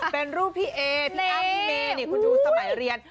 เป็นรูปพี่เอพี่อ้ำพี่เมนี่คุณดูสมัยเรียน